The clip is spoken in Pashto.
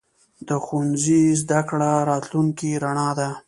د ښوونځي زده کړه راتلونکې رڼا ده.